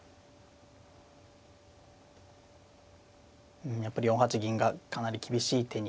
うんやっぱり４八銀がかなり厳しい手に。